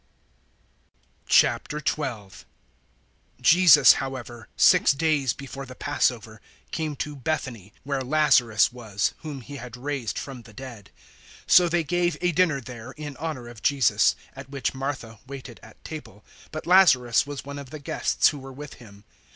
012:001 Jesus, however, six days before the Passover, came to Bethany, where Lazarus was whom He had raised from the dead. 012:002 So they gave a dinner there in honour of Jesus, at which Martha waited at table, but Lazarus was one of the guests who were with Him.